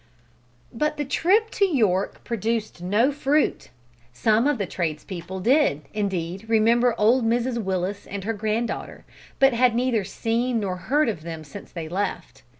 But the trip to York produced no fruit! Some of the tradespeople did, indeed, remember old Mrs Willis and her granddaughter, but had neither seen nor heard of them since they left.